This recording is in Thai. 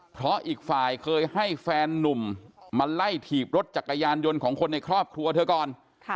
เพราะอีกฝ่ายเคยให้แฟนนุ่มมาไล่ถีบรถจักรยานยนต์ของคนในครอบครัวเธอก่อน